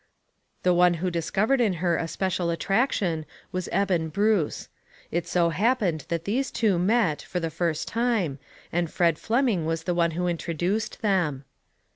The one who discovered in her a special attraction was Eben Bruce. It so happened that these two met, for the first time, and Fred Fleming was the one who introduced them.